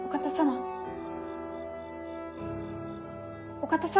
・お方様。